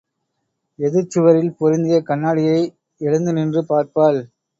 எதிர்ச் சுவரில் பொருத்திய கண்ணாடியை எழுந்து நின்று பார்ப்பாள்.